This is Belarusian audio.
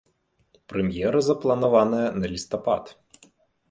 Прэм'ера запланаваная на лістапад.